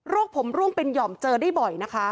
ผมร่วงเป็นห่อมเจอได้บ่อยนะคะ